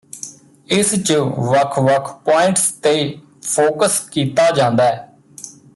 ਇਸ ਚ ਵੱਖ ਵੱਖ ਪੁਆਇੰਟਸ ਤੇ ਫੋਕਸ ਕੀਤਾ ਜਾਂਦੈ